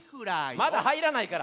まだはいらないから。